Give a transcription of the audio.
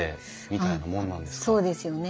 そうですよね。